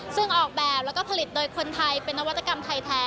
ซึ่งออกแบบแล้วก็ผลิตโดยคนไทยเป็นนวัตกรรมไทยแท้